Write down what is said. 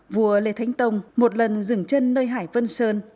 vua lê thánh tông một lần dừng chân nơi hải vân sơn